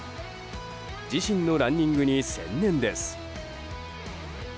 自身のランニングに専念です。